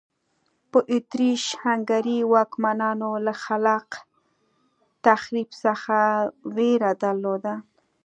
په اتریش هنګري واکمنانو له خلاق تخریب څخه وېره درلوده.